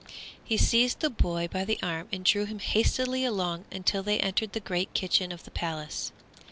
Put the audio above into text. He seized the boy by the arm and drew him hastily along until they entered the great kitchen of the palace.